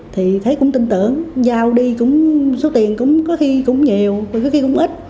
thì thấy cũng tin tưởng giao đi cũng số tiền có khi cũng nhiều có khi cũng ít